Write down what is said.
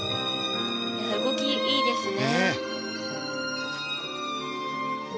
動き、いいですね。